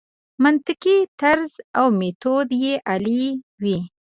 منطقي طرز او میتود یې عالي وي.